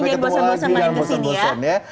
jangan bosan bosan lagi kesini ya